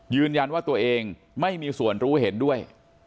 ยืนยันว่าตัวเองไม่มีส่วนรู้เห็นด้วย